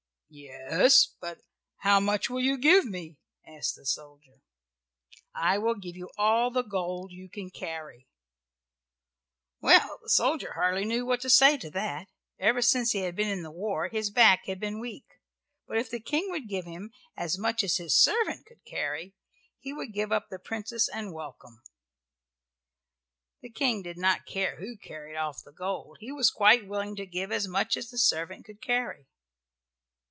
"Yes, but how much will you give me?" asked the soldier. "I will give you all the gold you can carry." Well, the soldier hardly knew what to say to that. Ever since he had been in the war his back had been weak; but if the King would give him as much as his servant could carry he would give up the Princess and welcome. The King did not care who carried off the gold. He was quite willing to give as much as the servant could carry.